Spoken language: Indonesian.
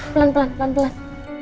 pelan pelan pelan pelan